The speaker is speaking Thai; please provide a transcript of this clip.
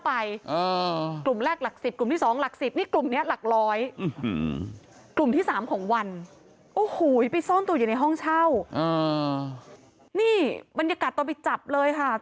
อาหล่ะนี่บรรยากาศตอนวิทยาปร์เลยค่ะ